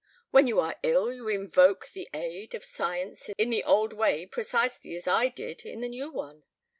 When you are ill you invoke the aid of science in the old way precisely as I did in the new one.